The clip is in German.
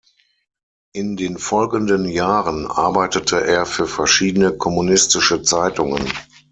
In den folgenden Jahren arbeitete er für verschiedene kommunistische Zeitungen.